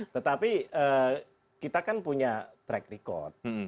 tetapi kita kan punya track record